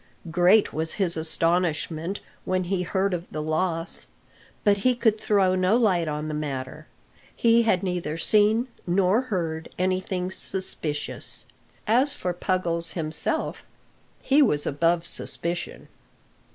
Great was his astonishment when he heard of the loss. But he could throw no light on the matter. He had neither seen nor heard anything suspicious. As for Puggles himself, he was above suspicion.